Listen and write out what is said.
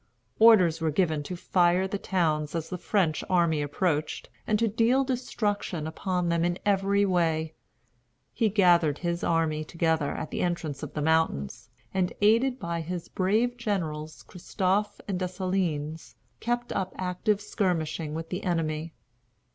Orders were given to fire the towns as the French army approached, and to deal destruction upon them in every way. He gathered his army together at the entrance of the mountains, and, aided by his brave generals Christophe and Dessalines, kept up active skirmishing with the enemy.